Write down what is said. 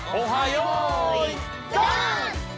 よいどん」！